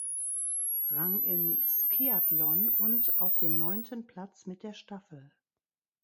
Rang im Skiathlon und auf den neunten Platz mit der Staffel.